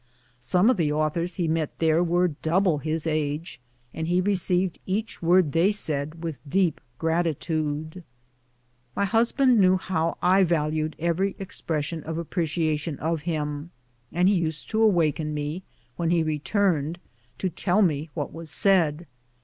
Some of the authors he met there were double his age, and he received each word they said with deep gratitude. My husband knew how I valued every expression of appre ciation of him, and he used to awaken me, when he re turned, to tell me what was said.